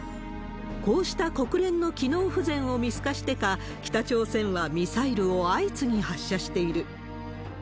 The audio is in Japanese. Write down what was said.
こうした国連の機能不全を見透かしてか、北朝鮮はミサイルを相次ぎ発射している。